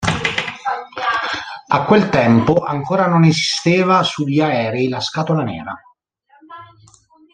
A quel tempo ancora non esisteva sugli aerei la scatola nera.